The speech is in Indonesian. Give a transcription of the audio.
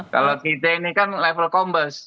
kalau kita ini kan level kombes